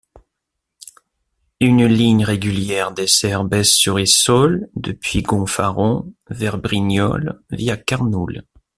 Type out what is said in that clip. Une ligne régulière dessert Besse-sur-Issole, depuis Gonfaron, vers Brignoles, via Carnoules.